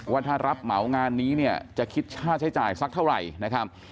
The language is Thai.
ว่าถ้ารับเหมางานนี้เนี่ยจะคิดค่าใช้จ่ายสักเท่าไหร่นะครับ